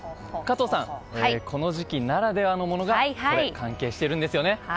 加藤さん、これこの時期ならではのものが関係しているんですよね。